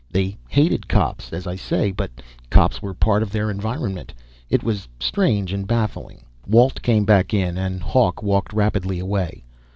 They hated cops, as I say; but cops were a part of their environment. It was strange, and baffling. Walt came back in, and Hawk walked rapidly away.